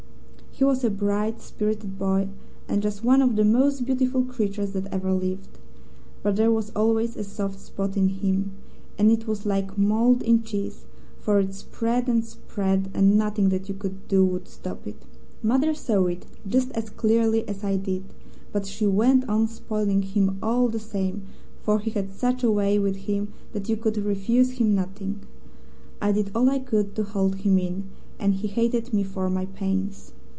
He was a bright, spirited boy, and just one of the most beautiful creatures that ever lived. But there was always a soft spot in him, and it was like mould in cheese, for it spread and spread, and nothing that you could do would stop it. Mother saw it just as clearly as I did, but she went on spoiling him all the same, for he had such a way with him that you could refuse him nothing. I did all I could to hold him in, and he hated me for my pains.